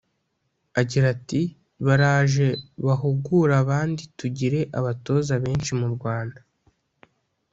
Agira ati “Baraje bahugure abandi tugire abatoza benshi mu gihugu